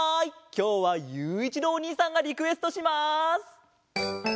きょうはゆういちろうおにいさんがリクエストします。